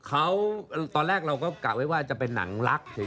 เขาตอนแรกเราก็กะไว้ว่าจะเป็นหนังลักษณ์